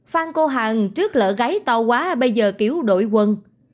fan cô hằng trước lỡ gáy to quá bây giờ kiểu đổi quần